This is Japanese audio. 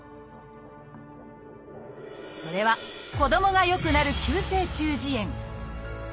それは子どもがよくなる「急性中耳炎」